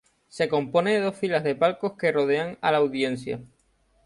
Se compone de dos filas de palcos que rodean a la audiencia.